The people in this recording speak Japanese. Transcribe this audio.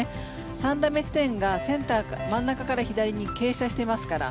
３打目地点が真ん中から左に傾斜していますから。